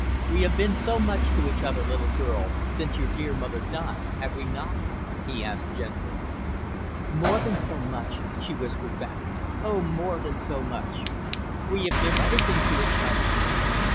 "We have been so much to each other, little girl, since your dear mother died, have we not?" he asked gently. "More than so much," she whispered back. "Oh, more than so much. We have been everything to each other."